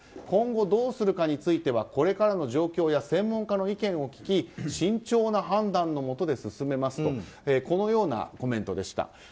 今後どうするかについてはこれからの状況や専門家の意見を聞き慎重な判断のもとで進めますというコメントでした。